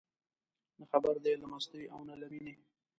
نه خبر دي له مستۍ او نه له مینې